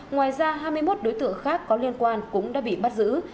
ngoài ra hai mươi một đối tượng khác có liên quan cũng đã bị bắt giữ